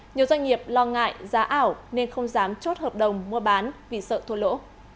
nhiều doanh nghiệp lo ngại giá ảo nên không dám chốt hợp đồng mua bán vì sợ thua lỗ